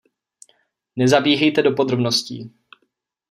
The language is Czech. Nezabíhejte do podrobností.